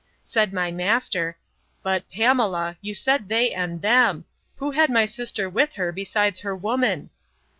Said my master, But, Pamela, you said they and them: Who had my sister with her besides her woman?